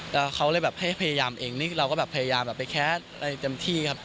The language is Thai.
แล้วเขาเลยแบบให้พยายามเองนี่เราก็แบบพยายามแบบไปแคสอะไรเต็มที่ครับ